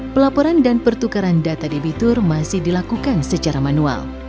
pelaporan dan pertukaran data debitur masih dilakukan secara manual